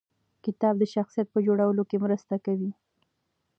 کتاب د شخصیت په جوړولو کې مرسته کوي.